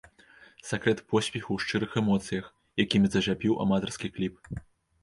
Сакрэт поспеху ў шчырых эмоцыях, якімі зачапіў аматарскі кліп.